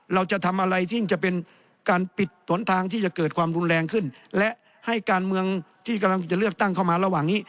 เราจะทำอะไรที่จะเป็นการปิดหนทางที่จะเกิดความรุนแรงขึ้นและให้การเมืองที่กำลังจะเลือกตั้งเข้ามาระหว่างนี้